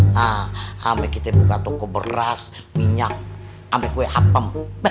nah kita buka toko beras minyak sampai kue apem